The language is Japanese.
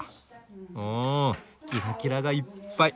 おおキラキラがいっぱい。